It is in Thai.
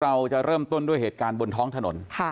เราจะเริ่มต้นด้วยเหตุการณ์บนท้องถนน